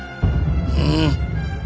うん。